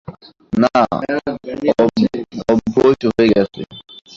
না, অভ্যোস হয়ে গেছে।